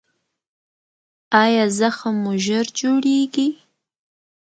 ایا زخم مو ژر جوړیږي؟